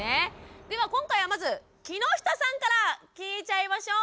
では今回はまず木下さんから聞いちゃいましょう。